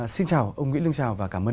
xin chào ông nguyễn lương trào và cảm ơn ông